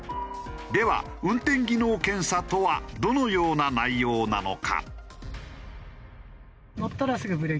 では運転技能検査とはどのような内容なのか？